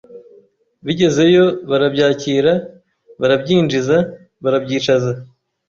Bigeze yo barabyakira, barabyinjiza barabyicaza